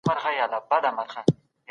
اوس به ورته ډېر